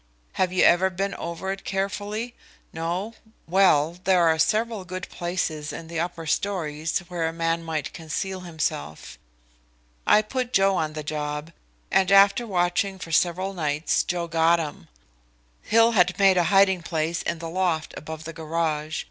Have you ever been over it carefully? No. Well, there are several good places in the upper stories where a man might conceal himself. I put Joe on the job, and after watching for several nights Joe got him. Hill had made a hiding place in the loft above the garage.